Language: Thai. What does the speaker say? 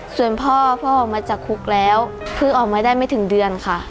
ส่วนพ่อพ่อออกมาจากคุกแล้วคือออกมาได้ไม่ถึงเดือนค่ะ